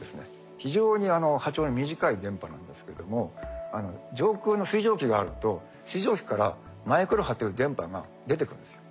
非常に波長の短い電波なんですけども上空の水蒸気があると水蒸気からマイクロ波という電波が出てくるんですよ。